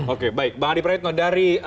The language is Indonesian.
oke baik bang adi praitno dari